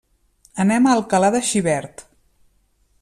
Anem a Alcalà de Xivert.